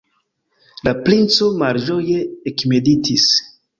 La princo malĝoje ekmeditis.